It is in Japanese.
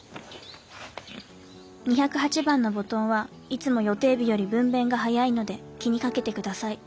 「２０８番の母豚はいつも予定日より分娩が早いので気にかけて下さい。